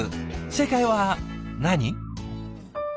正解は何？